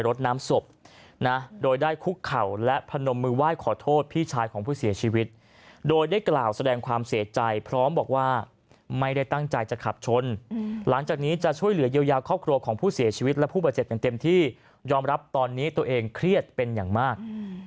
รถน้ำศพนะโดยได้คุกเข่าและพนมมือไหว้ขอโทษพี่ชายของผู้เสียชีวิตโดยได้กล่าวแสดงความเสียใจพร้อมบอกว่าไม่ได้ตั้งใจจะขับชนหลังจากนี้จะช่วยเหลือเยียวยาครอบครัวของผู้เสียชีวิตและผู้บาดเจ็บอย่างเต็มที่ยอมรับตอนนี้ตัวเองเครียดเป็นอย่างมาก